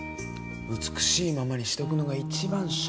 美しいままにしとくのが一番っしょ。